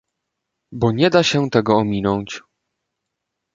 Bo nie da się tego ominąć